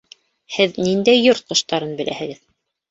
Һеҙ ниндәй йорт ҡоштарын беләһегеҙ?